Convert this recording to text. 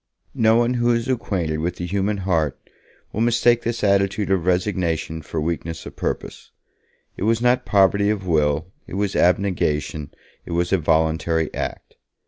No one who is acquainted with the human heart will mistake this attitude of resignation for weakness of purpose. It was not poverty of will, it was abnegation, it was a voluntary act.